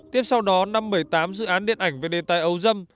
tiếp sau đó năm hai nghìn một mươi tám dự án điện ảnh về đề tài ấu dâm